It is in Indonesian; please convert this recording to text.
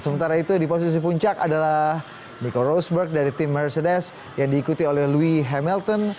sementara itu di posisi puncak adalah nico roseberg dari tim mercedes yang diikuti oleh louis hamilton